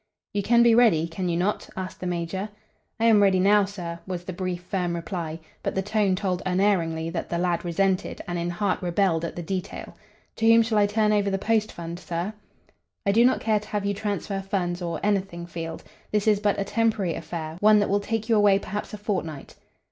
"You can be ready, can you not?" asked the major. "I am ready now, sir," was the brief, firm reply, but the tone told unerringly that the lad resented and in heart rebelled at the detail. "To whom shall I turn over the post fund, sir?" "I do not care to have you transfer funds or anything, Field. This is but a temporary affair, one that will take you away perhaps a fortnight."